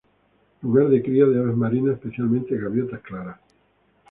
Lugar de cría de aves marinas, especialmente gaviota clara.